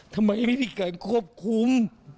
ทำไมไม่มีการควบคุม